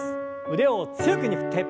腕を強く振って。